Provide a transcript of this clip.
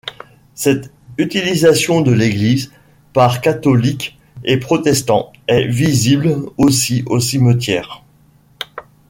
Cette utilisation de l'église par catholiques et protestants est visible aussi au cimetière.